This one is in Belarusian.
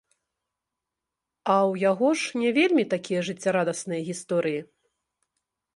А ў яго ж не вельмі такія жыццярадасныя гісторыі.